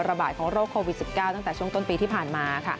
ระบาดของโรคโควิด๑๙ตั้งแต่ช่วงต้นปีที่ผ่านมา